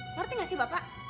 ngerti gak sih bapak